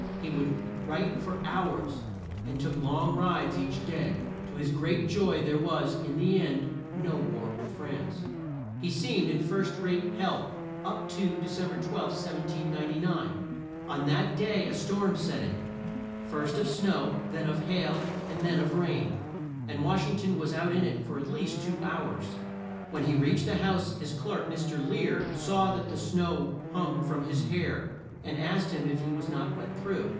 He would write for hours, and took long rides each day. To his great joy, there was, in the end, no war with France. He seemed in first rate health up to De cem ber 12, 1799. On that day a storm set in, first of snow, then of hail, and then of rain, and Wash ing ton was out in it for at least two hours. When he reached the house his clerk, Mr. Lear, saw that the snow hung from his hair, and asked him if he was not wet through.